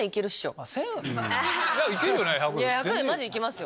マジいけますよ。